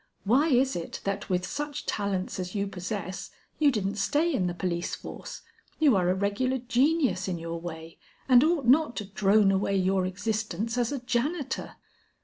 Why is it that with such talents as you possess, you didn't stay in the police force? You are a regular genius in your way, and ought not to drone away your existence as a janitor."